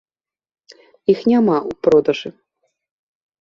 Іх няма ў продажы.